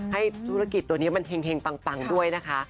ให้ธุรกิจตัวนี้มันเห็งปังด้วยนะคะ